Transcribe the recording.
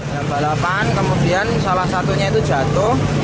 yang balapan kemudian salah satunya itu jatuh